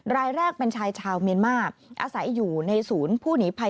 รายแรกเป็นชายชาวเมียนมาร์อาศัยอยู่ในศูนย์ผู้หนีภัย